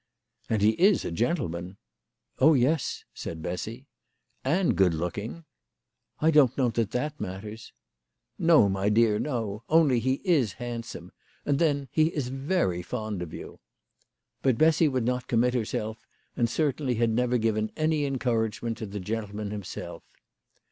"And he is a gentleman." " Oh, yes," said Bessy. " And good looking." " I don't know that that matters." " No, my dear, no ; only he is handsome. And then he is very fond of you." But Bessy would not commit herself, and certainly had never given any encourage ment to the gentleman himself.